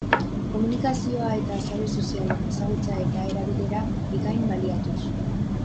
Komunikazioa eta sare sozialen ezagutza eta erabilera bikain baliatuz.